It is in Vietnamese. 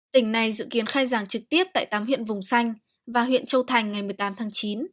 tỉnh này dự kiến khai giảng trực tiếp tại tám huyện vùng xanh và huyện châu thành ngày một mươi tám tháng chín